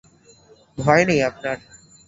ভয় নেই আপনার।